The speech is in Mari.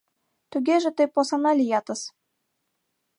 Тугеже тый посана лиятыс!..